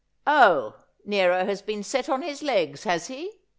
' Oh, Nero has been set on his legs, has he